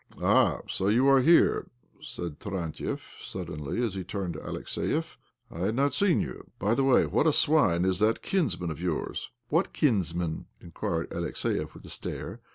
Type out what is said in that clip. " Ah ! So. you are here ?" said Taran tiev suddenly as . he turned to Alexiev. " I had not seen you. By the way, what a swine is that kinsman of yours I "" What kinsman ?" inquired Alexiev with a stare.